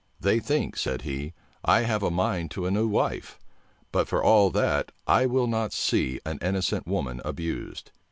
"They think," said he, "I have a mind to a new wife; but for all that, I will not see an innocent woman abused."